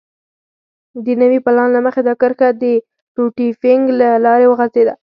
د نوي پلان له مخې دا کرښه د روټي فنک له لارې غځېده.